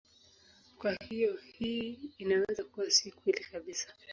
Kwa hiyo hii inaweza kuwa si kweli kabisa.